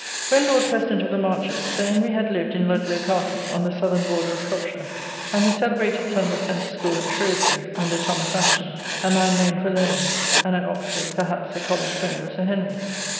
When Lord President of the Marches, Sir Henry had lived in Ludlow Castle, on the southern border of Shropshire, and his celebrated son was sent to school at Shrewsbury, under Thomas Ashton, a man known for learning, and at Oxford perhaps a college friend of Sir Henry.